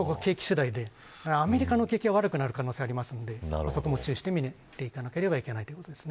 アメリカの景気が悪くなる可能性がありますのでそこも注意をして見なければいけないということですね。